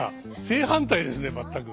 正反対ですね全く。